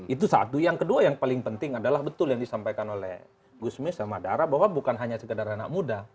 itu satu yang kedua yang paling penting adalah betul yang disampaikan oleh gusmi sama dara bahwa bukan hanya sekedar anak muda